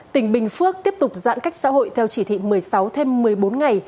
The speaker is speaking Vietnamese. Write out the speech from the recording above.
tỉnh bình phước tiếp tục giãn cách xã hội theo chỉ thị một mươi sáu thêm một mươi bốn ngày